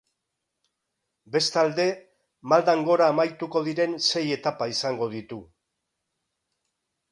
Bestalde, maldan gora amaituko diren sei etapa izango ditu.